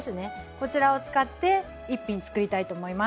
こちらを使って一品つくりたいと思います。